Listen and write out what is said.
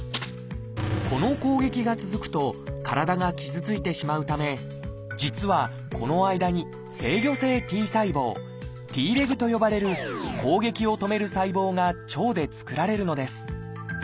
この攻撃が続くと体が傷ついてしまうため実はこの間に「制御性Ｔ細胞」と呼ばれる攻撃を止める細胞が腸で作られるのです。